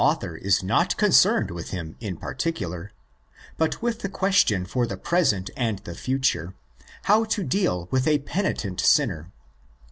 The author is not concerned with him in particular, but with the question for the present and the future, How to deal with a penitent sinner.